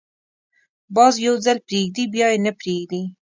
باز یو ځل پرېږدي، بیا یې نه پریږدي